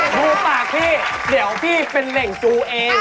ดูปากพี่เดี๋ยวพี่เป็นเหน่งจูเอง